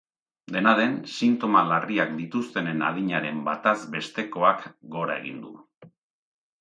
Dena den, sintoma larriak dituztenen adinaren bataz bestekoak gora egin du.